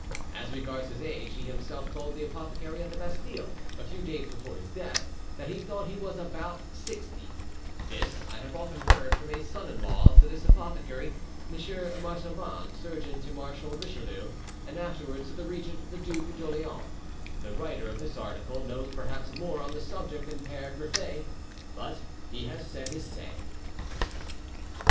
As regards his age, he himself told the apothecary at the Bastille, a few days before his death, that he thought he was about sixty; this I have often heard from a son in law to this apothecary, M. Marsoban, surgeon to Marshal Richelieu, and afterwards to the regent, the Duc d'Orleans. The writer of this article knows perhaps more on this subject than Pere Griffet. But he has said his say."